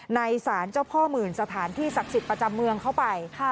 สารเจ้าพ่อหมื่นสถานที่ศักดิ์สิทธิ์ประจำเมืองเข้าไป